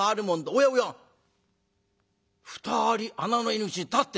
おやおや２人穴の入り口に立ってる」。